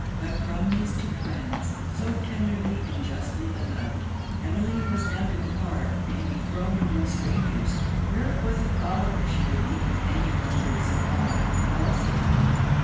But from these two friends, so tenderly and justly beloved, Emmeline was now to depart, and to be thrown among strangers, where it was improbable she would meet with any who would supply the loss of them.